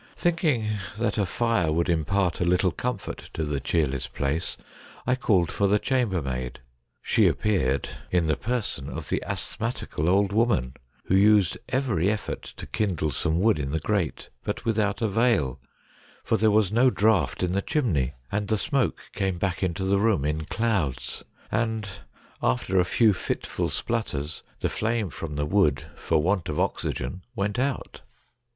Thinking that a fire would impart a little comfort to the cheerless place, I called for the chamber maid. She appeared in the person of the asthmatical old woman, who used every effort to kindle some wood in the grate, but without avail, for there was no draught in the chimney, and the smoke came back into the room in clouds ; and after a few fitful splutters the flame from the wood, for want of oxygen, went out.